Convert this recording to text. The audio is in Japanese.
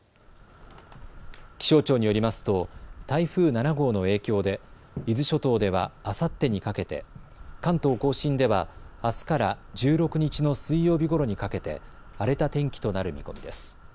気象庁によりますと台風７号の影響で伊豆諸島ではあさってにかけて、関東甲信ではあすから１６日の水曜日ごろにかけて荒れた天気となる見込みです。